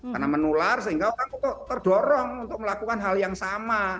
karena menular sehingga orang terdorong untuk melakukan hal yang sama